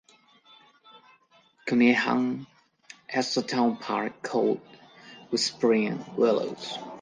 Conyngham has a town park called Whispering Willows.